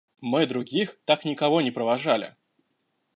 Мы других так никого не провожали.